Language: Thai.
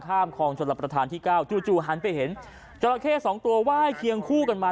ข้ามคลองชนรับประทานที่เก้าจู่หันไปเห็นจราเข้สองตัวไหว้เคียงคู่กันมา